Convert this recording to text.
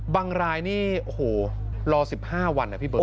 บังรายนี่โหรอ๑๕วันอ่ะพี่เบิร์ด